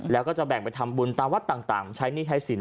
แล้วก็จะแบ่งไปทำบุญตามวัดต่างใช้หนี้ใช้สิน